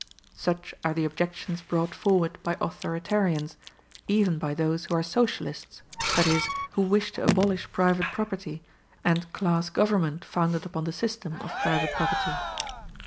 Such are the objections brought forward by authoritarians, even by those who are Socialists, that is, who wish to abolish private property, and class government founded upon the system of private property.